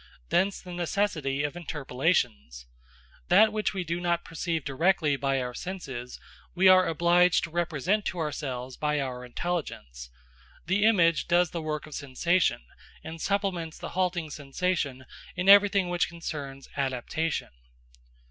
Thence the necessity of interpolations. That which we do not perceive directly by our senses, we are obliged to represent to ourselves by our intelligence; the image does the work of sensation, and supplements the halting sensation in everything which concerns adaptation.